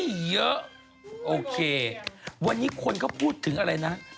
ไม่ให้เยอะโอเควันที่คนก็พูดถึงอะไรนะ